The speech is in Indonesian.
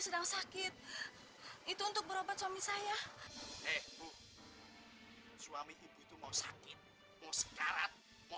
sedang sakit itu untuk berobat suami saya suami itu mau sakit mau segarat